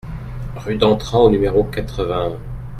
Rue d'Antran au numéro quatre-vingt-un